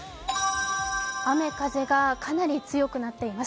雨風がかなり強くなっています。